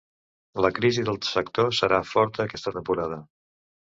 La crisi del sector serà forta aquesta temporada.